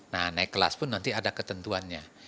nah naik kelas pun nanti ada ketentuannya